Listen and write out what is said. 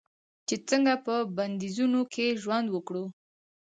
چې څنګه په بندیزونو کې ژوند وکړو.